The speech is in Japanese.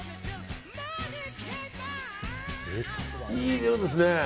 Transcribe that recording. いい色ですね。